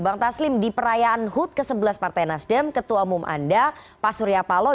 bang taslim di perayaan hud ke sebelas partai nasdem ketua umum anda pak surya paloh